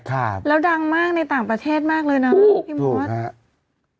แล้วดังมากในต่างประเทศมากเลยเนอะพี่มฤทธิ์